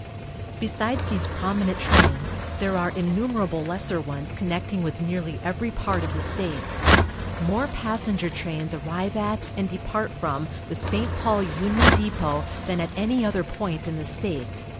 Besides these prominent trains, there are innumerable lesser ones connecting with nearly every part of the state. More passenger trains arrive at, and depart from, the St. Paul Union Depot than at any other point in the state.